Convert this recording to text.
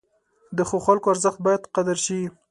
د ښو خلکو ارزښت باید قدر شي.